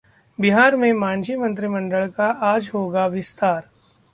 बिहार में मांझी मंत्रिमंडल का आज होगा विस्तार